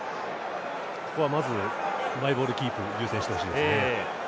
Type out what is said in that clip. まずマイボールキープを優先してほしいですね。